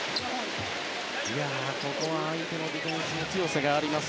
ここは相手のディフェンスの強さがありました。